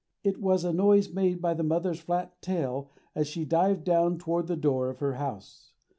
It was a noise made by the mother's flat tail as she dived down toward the door of her house.